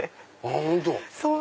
本当！